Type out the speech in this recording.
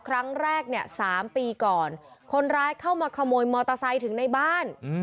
ครั้งแรกเนี่ย๓ปีก่อนคนร้ายเข้ามาขโมยมอเตอร์ไซค์ถึงในบ้าน